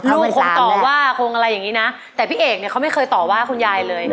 คงต่อว่าคงอะไรอย่างนี้นะแต่พี่เอกเนี่ยเขาไม่เคยต่อว่าคุณยายเลย